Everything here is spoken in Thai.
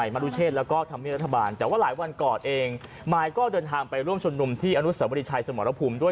มายก็เดินทางไปร่วมชมนุมที่อสมรพุมด้วย